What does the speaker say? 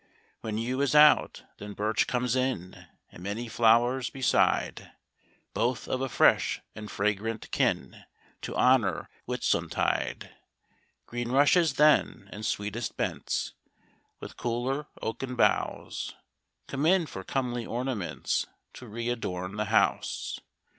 When yew is out, then birch comes in, And many flowers beside, Both of a fresh and fragrant kin, To honour Whitsuntide. Green rushes then, and sweetest bents, With cooler oaken boughs, Come in for comely ornaments, To re adorn the house.